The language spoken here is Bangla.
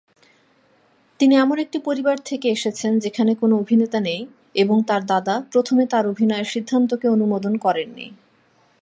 তিনি এমন একটি পরিবার থেকে এসেছেন যেখানে কোনও অভিনেতা নেই, এবং তার দাদা প্রথমে তার অভিনয়ের সিদ্ধান্তকে অনুমোদন করেননি।